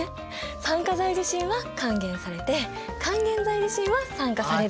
酸化剤自身は還元されて還元剤自身は酸化される。